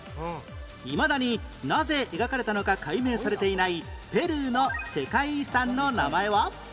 いまだになぜ描かれたのか解明されていないペルーの世界遺産の名前は？